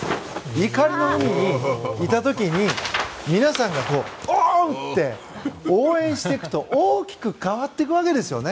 怒りの海にいた時に、皆さんがおう！って応援していくと大きく変わっていくわけですよね。